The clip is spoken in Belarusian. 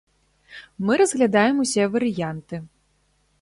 Мы разглядаем усе варыянты.